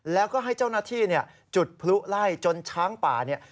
แล้วก็ให้เจ้าหน้าที่จุดพลุไล่จนช้างป่าเนี่ย